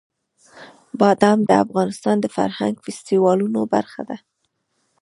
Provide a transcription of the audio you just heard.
بادام د افغانستان د فرهنګي فستیوالونو برخه ده.